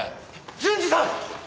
純次さん！